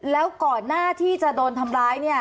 แล้วก่อนหน้าที่จะ